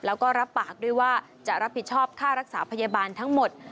แล้วก็รับปากด้วยว่าจะรับผิดชอบค่ารักษาพยาบาลทั้งหมด